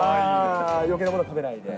余計なものを食べないで。